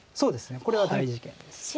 これは大事件です。